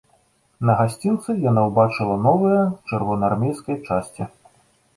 На гасцінцы яна ўбачыла новыя чырвонаармейскія часці.